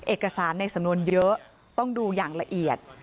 เอกสารในสำนวนเยอะต้องดูอย่างละเอียด